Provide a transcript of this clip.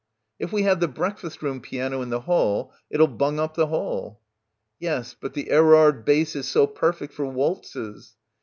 "If we have the breakfast room piano in the hall it'll bung up the hall." "Yes, but the Erard bass is so perfect for waltzes."